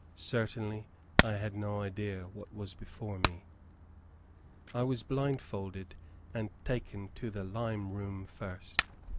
Certainly, I had no idea what was before me. I was blindfolded, and taken to the lime room first.